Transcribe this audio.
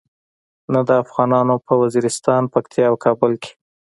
نه د افغانانو په وزیرستان، پکتیا او کابل کې.